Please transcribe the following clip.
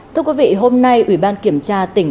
thưa quý vị hôm nay ủy ban kiểm tra tỉnh